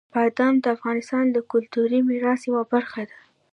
بادام د افغانستان د کلتوري میراث یوه برخه ده.